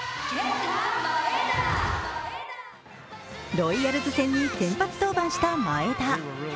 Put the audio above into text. ロイヤルズ戦に先発登板した前田。